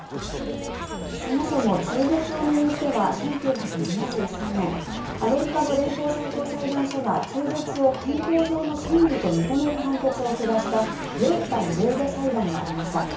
そもそも中絶を巡っては１９７３年アメリカの連邦最高裁判所が中絶を憲法上の権利と認める判決を下したロー対ウェイド裁判がありました。